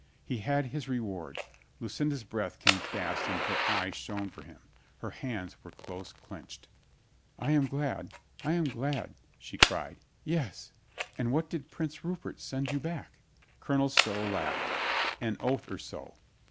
He had his reward. Lucinda's breath came fast and her eyes shone for him. Her hands were close clenched. 196 COLONEL GREATHEART "I am glad, I am glad !" she cried. "Yes !... And what did Prince Rupert send you back?" Colonel Stow laughed. "An oath or so."